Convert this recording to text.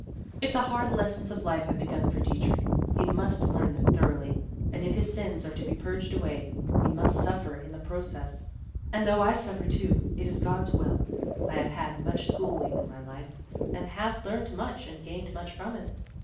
If the hard lessons of life have begun for Dietrich, he must learn them thoroughly; and if his sins are to be purged away, he must suffer in the process. And though I suffer too, it is God's will; I have had much schooling in my life, and have learned much and gained much from it.